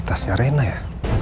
tasnya rena ya